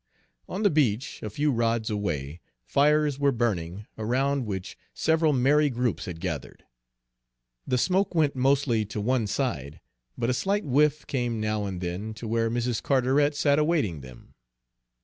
On the beach, a few rods away, fires were burning, around which several merry groups had gathered. The smoke went mostly to one side, but a slight whiff came now and then to where Mrs. Carteret sat awaiting them.